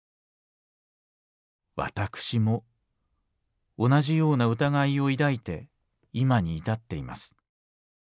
私も同じような疑いを抱いて今に至っています。